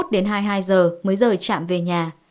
hai mươi một đến hai mươi hai giờ mới rời trạm về nhà